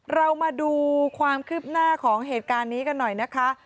เรามาดูความคืบหน้าของเหตุการณ์นี้กันหน่อยนะคะ